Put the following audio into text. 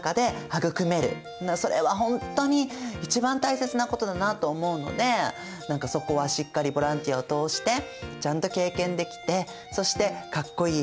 それは本当に一番大切なことだなと思うのでそこはしっかりボランティアを通してちゃんと経験できてそしてかっこいい